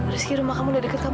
rizky rumah kamu udah deket kamu